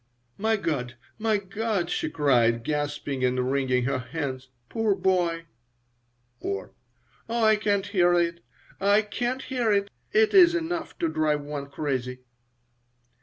"My God! My God!" she cried, gasping and wringing her hands. "Poor boy!" or, "Oh, I can't hear it! I can't hear it! It is enough to drive one crazy."